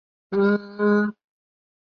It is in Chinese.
从家庭衔接职场